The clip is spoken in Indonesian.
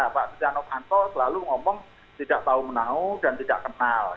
pak stiano vanto selalu ngomong tidak tahu menahu dan tidak kenal